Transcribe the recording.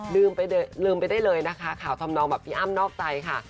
ลืมไปได้เลยนะคะข่าวทำนองแบบพี่อ้ำนอกใจค่ะ